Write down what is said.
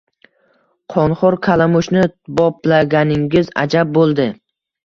– Qonxo‘r kalamushni boplaganingiz ajab bo‘ldi!